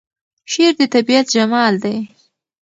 شعر د طبیعت جمال دی.